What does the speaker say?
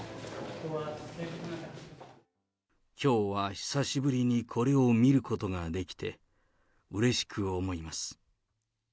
きょうは久しぶりにこれを見ることができて、うれしく思います。